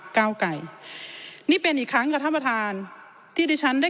เก้าไก่นี่เป็นอีกครั้งกับท่านประธานที่ดิฉันได้